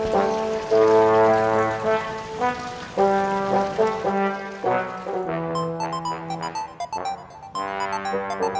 mamah kok kaya ama gue he'dai deyuuh